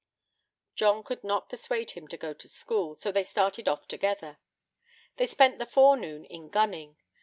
John could not persuade him to go to school; so they started off together. They spent the forenoon in gunning.